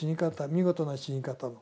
見事な死に方の。